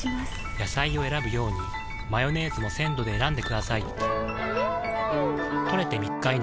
野菜を選ぶようにマヨネーズも鮮度で選んでくださいん！